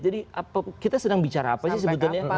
jadi kita sedang bicara apa sih sebetulnya